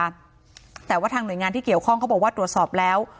แต่ว่าทางหน่วยงานที่เกี่ยวข้องเขาบอกว่าตรวจสอบแล้ว